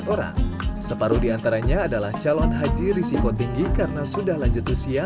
dua ribu delapan puluh empat orang separuh diantaranya adalah calon haji risiko tinggi karena sudah lanjut usia